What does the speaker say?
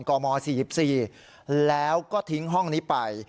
กม๔๔แล้วก็ทิ้งห้องนี้ไป